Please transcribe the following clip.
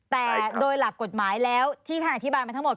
แต่โดยหลักกฎหมายแล้วที่ท่านอธิบายมาทั้งหมด